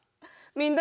みんな。